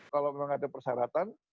kalau memang ada persyaratan